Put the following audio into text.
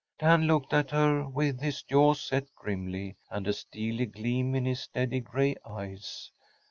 Dan looked at her with his jaws set grimly, and a steely gleam in his steady gray eyes.